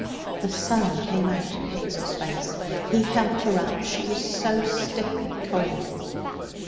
The sun came out in Hazel's face. He helped her up, she was so stiff with cold.